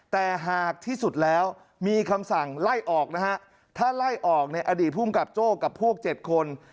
แต่หากที่สุดแล้วมีคำสั่งไล่ออกนะฮะถ้าไล่ออกในอดีตภูมิกับโจ้กับพวก๗คน